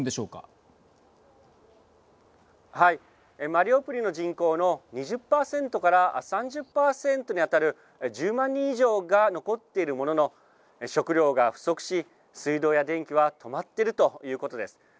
マリウポリの人口の２０％から３０％に当たる１０万人以上が残っているものの食料が不足し水道や電気は止まっているということです。